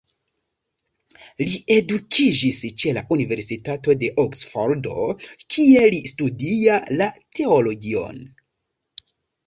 Li edukiĝis ĉe la universitato de Oksfordo, kie li studia la teologion.